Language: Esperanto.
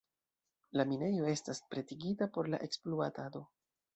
La minejo estas pretigita por la ekspluatado.